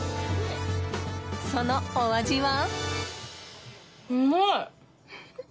そのお味は。